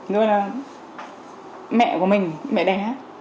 rồi là mẹ của mình mẹ đẻ